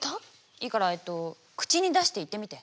いいからえと口に出して言ってみて。